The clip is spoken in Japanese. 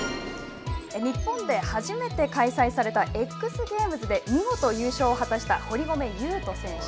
日本で初めて開催されたＸゲームズで見事優勝を果たした堀米雄斗選手。